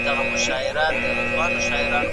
ايا ته د کتابتون کار کوې،